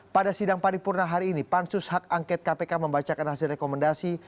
pada sidang paripurna hari ini pansus hak angket kpk membacakan hasil rekomendasi